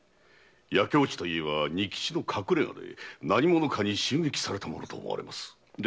焼け落ちた家は仁吉の隠れ家で何者かに襲撃されたものと思われます。